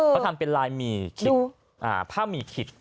เขาทำเป็นลายผ้ามีคิด